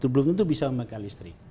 belum tentu bisa memakai listrik